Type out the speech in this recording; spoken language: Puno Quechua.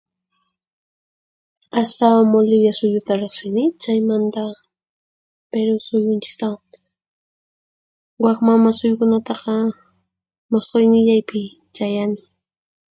Astawan Wuliwiya suyuta riqsini chaymanta Piruw suyunchistawan. Waq mama suyukunataqa musqhuynillaypi chayani.